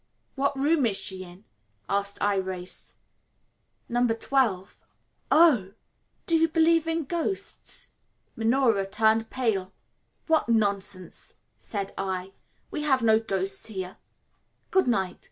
"What room is she in?" asked Irais. "No. 12." "Oh! do you believe in ghosts?" Minora turned pale. "What nonsense," said I; "we have no ghosts here. Good night.